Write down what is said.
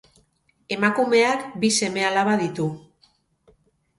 Emakumeak bi seme-alaba ditu.